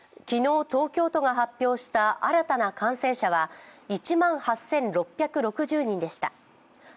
昨日、東京都が発表した新たな感染者は１万８６６０人でした。